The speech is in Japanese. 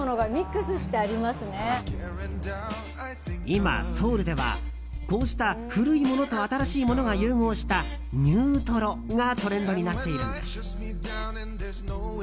今ソウルでは、こうした古いものと新しいものが融合したニュートロがトレンドになっているんです。